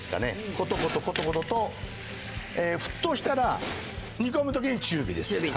コトコトコトコトと沸騰したら煮込む時に中火です